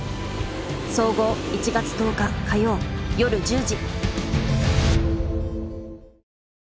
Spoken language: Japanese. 総合１月１０日火曜夜１０時。